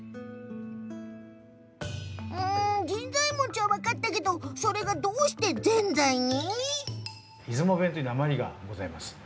ん神在餅は分かったけどそれが、どうしてぜんざいに？